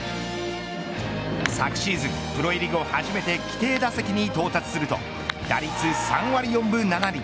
昨シーズンプロ入り後初めて規定打席に到達すると打率３割４分７厘。